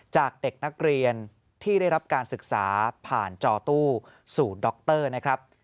จากเด็กนักเรียนที่ได้รับการศึกษาผ่านจอตู้สู่ดรนะครับ